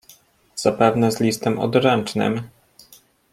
Zapewne z listem odręcznym?